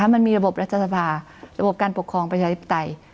มันมีระบบรัฐสภาระบบการปกครองประชาธิปไตย